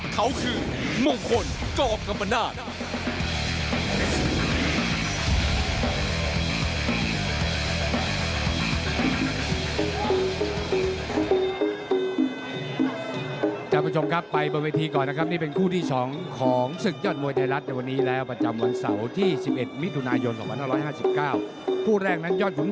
เขาคือมงคลจอกกรรมนาศ